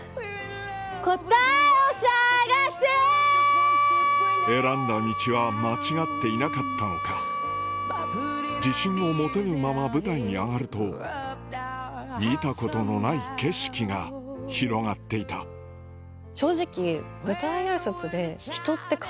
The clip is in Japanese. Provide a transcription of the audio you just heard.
答えを探せ選んだ道は間違っていなかったのか自信を持てぬまま舞台に上がると見たことのない景色が広がっていたうんうんうん。